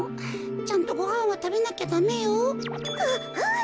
ちゃんとごはんはたべなきゃダメよ。ははい！